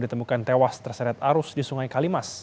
ditemukan tewas terseret arus di sungai kalimas